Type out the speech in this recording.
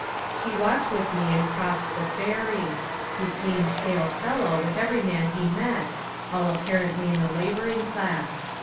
He walked with me and crossed the Ferry ; he seemed ^* hail fellow " with every man he met, all apparently in the labouring class.